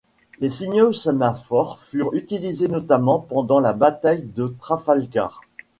Les signaux sémaphore furent utilisés notamment pendant la bataille de Trafalgar.